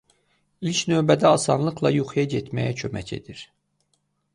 İlk növbədə asanlıqla yuxuya getməyə kömək edir.